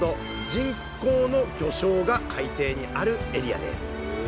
人工の魚礁が海底にあるエリアです。